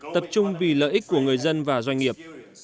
tập trung vì lợi ích của người dân và doanh nghiệp